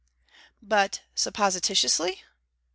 'But supposititiously?'